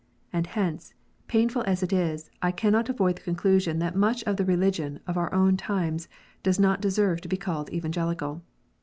And hence, painful as it is, I cannot avoid the conclusion that much of the religion of our own times does not deserve to be called Evangelical.